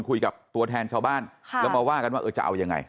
คุยกับตัวแทนชาวบ้านแล้วมาว่ากันว่าเออจะเอายังไง